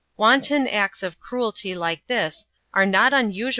Wanton acts of crudity like this are not \m\\sv\s!